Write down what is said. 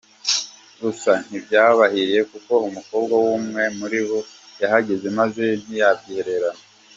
Gusa ntibyabahiriye kuko umukobwa w’umwe muri bo yahageze maze ntiyabyihererana.